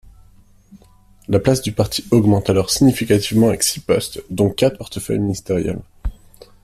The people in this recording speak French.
La place du parti augmente alors significativement avec six postes, dont quatre portefeuilles ministériels.